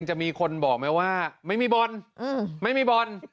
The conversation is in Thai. จะมีคนบอกไหมว่าไม่มีบ่น